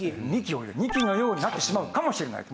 二季のようになってしまうかもしれないと。